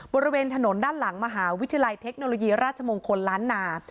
บริเวณถนนด้านหลังมหาวิทยาลัยเทคโนโลยีราชมงคลล้านนา